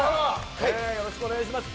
よろしくお願いします。